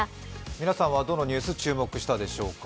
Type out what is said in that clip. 皆さんはどのニュース、注目したでしょうか。